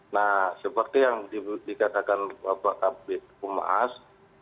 nah seperti yang dikatakan bapak kabit humas